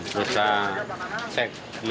terus saya cek